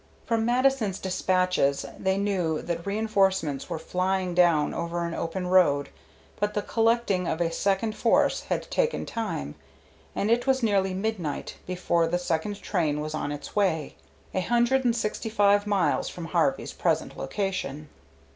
From Mattison's despatches they knew that reenforcements were flying down over an open road, but the collecting of a second force had taken time, and it was nearly midnight before the second train was on its way, a hundred and sixty five miles from Harvey's present location.